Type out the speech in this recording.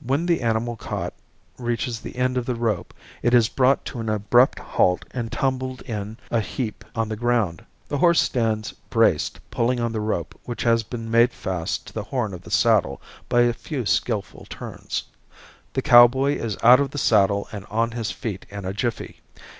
When the animal caught reaches the end of the rope it is brought to an abrupt halt and tumbled in a heap on the ground. The horse stands braced pulling on the rope which has been made fast to the horn of the saddle by a few skillful turns. The cowboy is out of the saddle and on his feet in a jiffy.